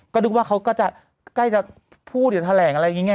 ก็นึกว่าเขาก็จะใกล้จะพูดหรือแถลงอะไรอย่างนี้ไง